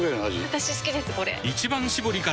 私好きですこれ！